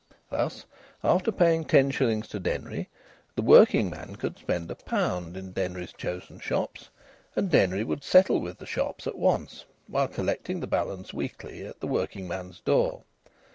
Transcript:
Thus, after paying ten shillings to Denry, the working man could spend a pound in Denry's chosen shops, and Denry would settle with the shops at once, while collecting the balance weekly at the working man's door.